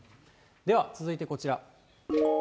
では続いてこちら。